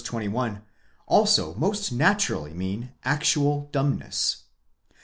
21) also most naturally mean actual dumbness.